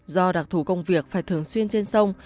do đặc thù công việc phải thường xuyên trên sông